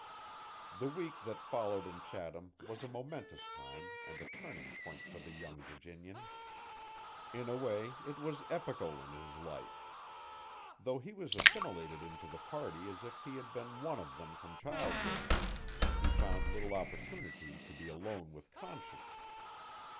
The week that followed in Chatham was a momentous time and a turning point for the young Virginian. In a way it was epochal in his life. Though he was assimilated into the party as if he had been one of them from childhood, he found little opportunity to be alone with Conscience.